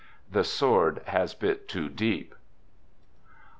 The sword has bit too deep.